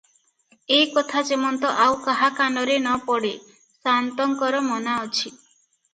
ଏ କଥା ଯେମନ୍ତ ଆଉ କାହା କାନରେ ନ ପଡେ ସାଆନ୍ତଙ୍କର ମନା ଅଛି ।"